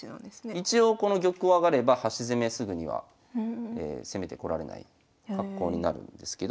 一応この玉を上がれば端攻めすぐには攻めてこられない格好になるんですけど。